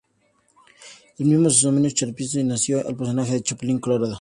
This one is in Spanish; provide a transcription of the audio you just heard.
El mismo se denominó "Chespirito" y nació el personaje del Chapulín Colorado.